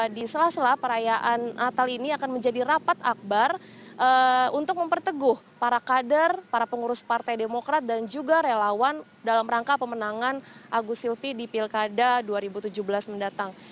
di sela sela perayaan natal ini akan menjadi rapat akbar untuk memperteguh para kader para pengurus partai demokrat dan juga relawan dalam rangka pemenangan agus silvi di pilkada dua ribu tujuh belas mendatang